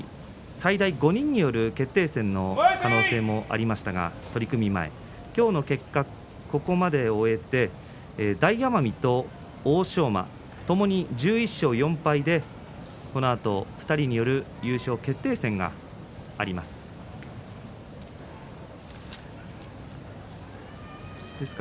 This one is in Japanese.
最大５人による決定戦の可能性がありましたが今日ここまで終えて大奄美と欧勝馬ともに１１勝４敗でこのあと２人による優勝決定戦があります。